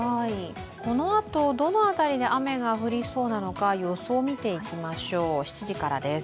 このあとどの辺りで雨が降りそうなのか予想を見ていきましょう、７時からです。